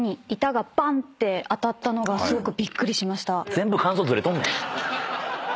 全部感想ずれとんねん。